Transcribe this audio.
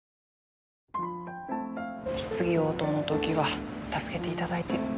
質疑応答のときは助けていただいて。